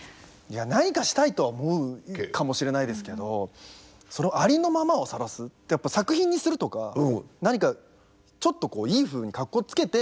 何かしたいとは思うかもしれないですけどそのありのままをさらすやっぱ作品にするとか何かちょっとこういいふうにかっこつけて。